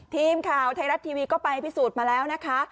ทีมข่าวไทยรัฐทีวีก็ไปพิสูจน์มาแล้วนะคะ